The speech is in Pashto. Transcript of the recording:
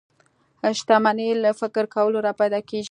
شتمني له فکر کولو را پيدا کېږي.